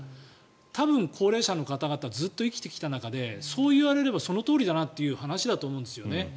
多分、高齢者の方々ずっと生きてきた中でそう言われればそのとおりだという話だと思うんですよね。